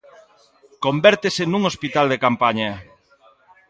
Convértese nun hospital de campaña.